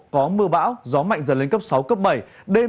có mưa bão